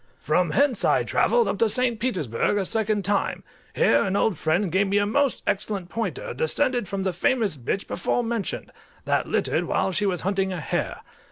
From hence I travelled up to St. Petersburg a second time: here an old friend gave me a most excellent pointer, descended from the famous bitch before mentioned, that littered while she was hunting a hare.